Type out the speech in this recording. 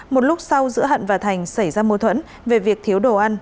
một lúc sau giữa hận và thành xảy ra mô thuẫn về việc thiếu đồ ăn